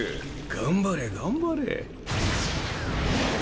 頑張れ頑張れ。